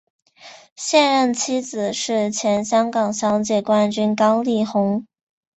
现任妻子是前香港小姐冠军高丽虹。